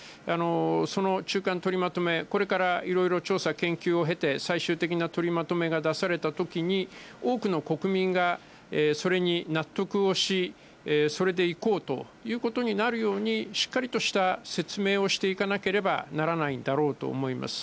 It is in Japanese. その中間取りまとめ、これからいろいろ調査研究を経て、最終的な取りまとめが出されたときに、多くの国民がそれに納得をし、それでいこうということになるように、しっかりとした説明をしていかなければならないんだろうと思います。